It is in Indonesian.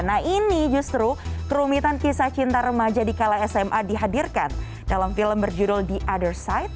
nah ini justru kerumitan kisah cinta remaja di kala sma dihadirkan dalam film berjudul the othersite